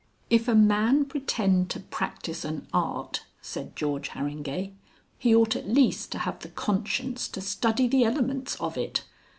"If a man pretend to practise an Art," said George Harringay, "he ought at least to have the conscience to study the elements of it.